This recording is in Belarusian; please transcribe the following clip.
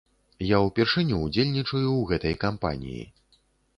Я ўпершыню ўдзельнічаю ў гэтай кампаніі.